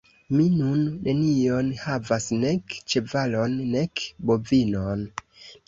Mi nun nenion havas, nek ĉevalon, nek bovinon.